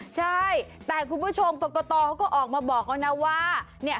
ใช่แต่คุณผู้ชมกรกตเขาก็ออกมาบอกเขานะว่า